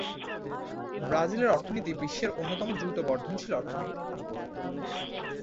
ব্রাজিলের অর্থনীতি বিশ্বের অন্যতম দ্রুত বর্ধনশীল অর্থনীতি।